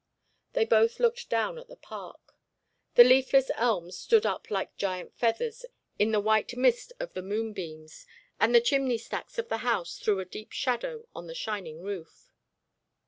They both looked down at the park. The leafless elms stood up like giant feathers in the white mist of the moonbeams, and the chimney stacks of the house threw a deep shadow on the shining roof.